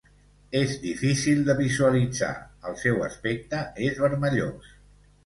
És difícil de visualitzar, el seu aspecte és vermellós.